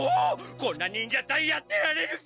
こんな忍者隊やってられるか！